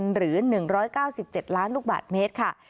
หรือ๑๙๗ล้านลูกบาทเมตรค่ะ